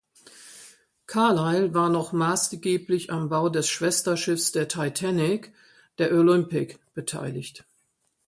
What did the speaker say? Carlisle war noch maßgeblich am Bau des Schwesterschiffs der "Titanic", der "Olympic", beteiligt.